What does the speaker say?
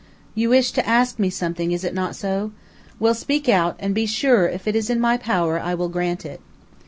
"You wish to ask me something, is it not so? Well, speak out, and be sure if it is in my power I will grant it."